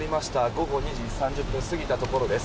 午後２時３０分を過ぎたところです。